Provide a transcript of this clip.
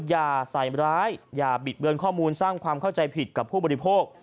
อย่าใส่ร้ายอย่าบิดเบือนข้อมูลสร้างความเข้าใจผิดกับผู้บริโภค